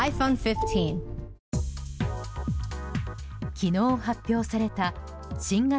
昨日、発表された新型